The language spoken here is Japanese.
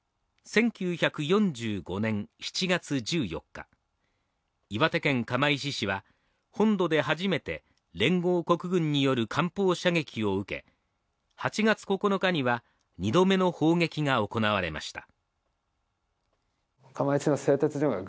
１９４５年７月１４日、岩手県釜石市は本土で初めて連合国軍による艦砲射撃を受け、８月９日には２度目の砲撃が行われました。